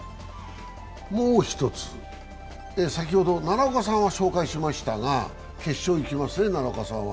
もう１つ、先ほど、奈良岡さんは紹介しましたが、決勝いきますね、奈良岡さんは。